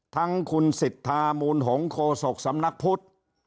ทั้งคุณสิทธามูลหงโคศกสำนักพุทธ